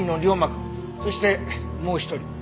そしてもう一人。